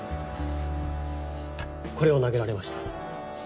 これを投げられました。